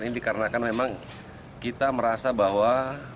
ini dikarenakan memang kita merasa bahwa